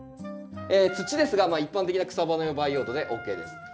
土ですが一般的な草花培養土でＯＫです。